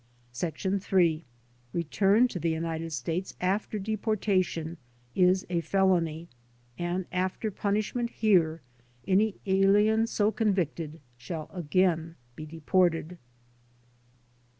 ..." "Sec. 3. Return to the United States after deportation is a felony and after punishment here, any alien so convicted shall again be deported."